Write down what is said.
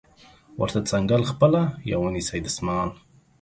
ورته څنګل خپله یا ونیسئ دستمال